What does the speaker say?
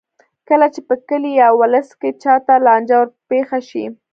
کله چې په کلي یا ولس کې چا ته لانجه ورپېښه شي.